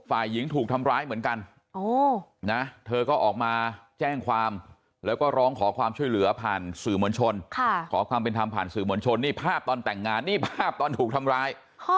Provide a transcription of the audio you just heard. ฝ่ายหญิงถูกทำร้ายเหมือนกันนะเธอก็ออกมาแจ้งความแล้วก็ร้องขอความช่วยเหลือผ่านสื่อมวลชนขอความเป็นธรรมผ่านสื่อมวลชนนี่ภาพตอนแต่งงานนี่ภาพตอนถูกทำร้าย